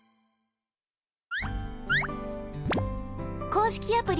公式アプリ